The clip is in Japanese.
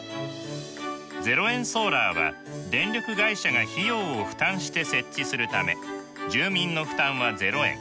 ０円ソーラーは電力会社が費用を負担して設置するため住民の負担は０円。